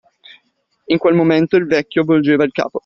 In quel momento il vecchio volgeva il capo.